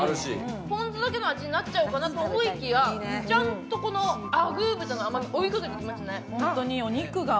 ぽん酢だけの味になっちゃうかなと思いきや、ちゃんとあぐー豚のおいしさが追いかけてきますね。